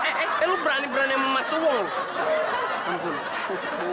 eh eh eh lo berani berani emas uang lo